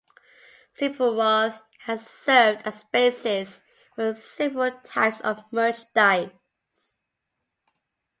Sephiroth has served as basis for several types of merchandise.